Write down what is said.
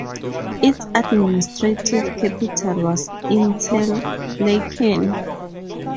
Its administrative capital was Interlaken.